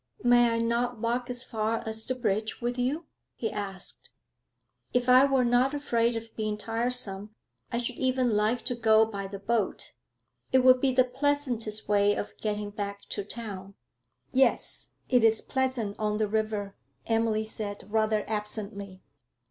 'May I not walk as far as the bridge with you?' he asked. 'If I were not afraid of being tiresome I should even like to go by the boat; it would be the pleasantest way of getting back to town.' 'Yes, it is pleasant on the river,' Emily said rather absently.